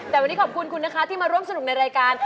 แต่วันนี้ขอบคุณคุณนะคะที่มาร่วมสนุกในรายการ